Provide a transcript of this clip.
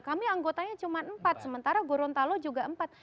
kami anggotanya cuma empat sementara gorontalo juga empat